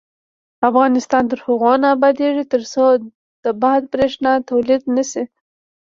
افغانستان تر هغو نه ابادیږي، ترڅو د باد بریښنا تولید نشي.